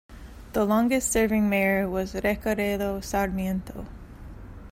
The longest serving Mayor was Recaredo Sarmiento.